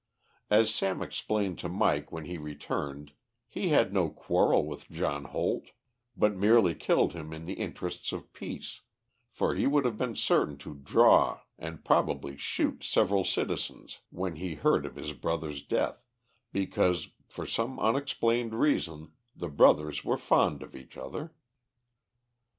As Sam explained to Mike when he returned, he had no quarrel with John Holt, but merely killed him in the interests of peace, for he would have been certain to draw and probably shoot several citizens when he heard of his brother's death, because, for some unexplained reason, the brothers were fond of each other.